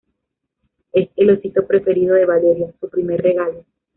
es el osito preferido de Valeria. su primer regalo.